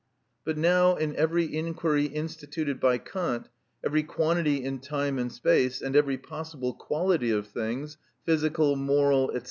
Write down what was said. But now in every inquiry instituted by Kant, every quantity in time and space, and every possible quality of things, physical, moral, &c.